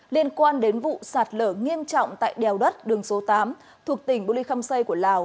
liên quan đến vụ sạt lở nghiêm trọng tại đèo đất đường số tám thuộc tỉnh bô lê khâm xây của lào